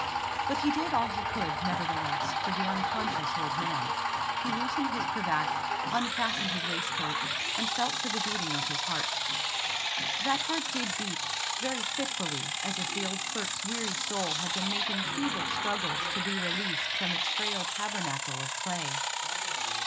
But he did all he could, nevertheless, for the unconscious old man. He loosened his cravat, unfastened his waistcoat, and felt for the beating of his heart. That heart did beat: very fitfully, as if the old clerk's weary soul had been making feeble struggles to be released from its frail tabernacle of clay.